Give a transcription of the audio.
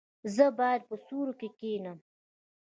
ایا زه باید په سیوري کې کینم؟